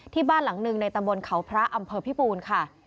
บ้านหลังหนึ่งในตำบลเขาพระอำเภอพิปูนค่ะ